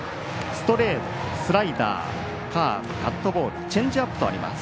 ストレート、スライダーカーブ、カットボールチェンジアップとあります。